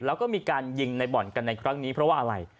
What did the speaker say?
แล้วก็มีการยิงในบ่อนกันในครั้งนี้เพราะว่าอะไร